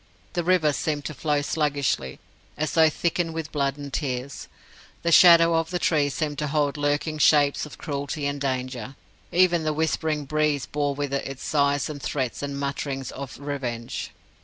The river seemed to flow sluggishly, as though thickened with blood and tears. The shadow of the trees seemed to hold lurking shapes of cruelty and danger. Even the whispering breeze bore with it sighs, and threats, and mutterings of revenge.